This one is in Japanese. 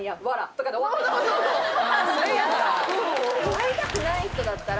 会いたくない人だったら。